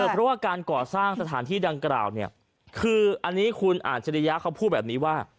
เพราะว่าการก่อสร้างสถานที่ดังกล่าวเนี่ยคืออันนี้คุณอาจริยะเขาพูดแบบนี้ว่า